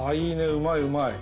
うまいうまい。